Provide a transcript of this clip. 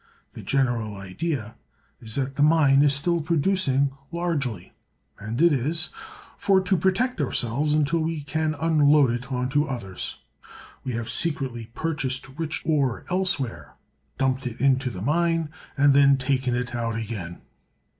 The general idea is that the mine is still producing largely—and it is—for, to protect ourselves until we can unload it on to others, we have secretly purchased rich ore elsewhere, dumped it into the mine, and then taken it out again."